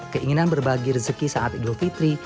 keinginan berbagi rezeki saat idul fitri